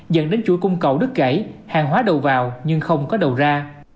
dẫn đến chuỗi cung cầu đứt gãy hàng hóa đầu vào nhưng không có đầu ra